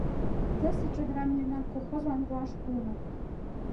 Тысе чодырам мемнан колхозлан руаш пуымо.